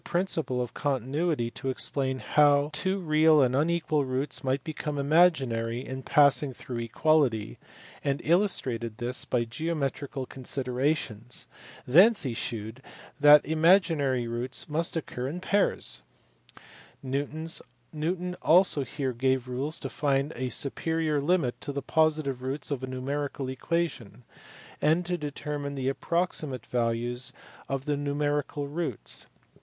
principle of continuity to explain how two real and unequal roots might become imaginary in passing through equality, and illustrated this by geometrical considerations ; thence he shewed that imaginary roots must occur in pairs. Newton also here gave rules to find a superior limit to the positive roots of a numerical equation, and to determine the approxi mate values of the numerical roots.